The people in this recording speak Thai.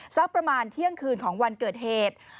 สักประมาณเที่ยงคืนของวันเกิดเหตุ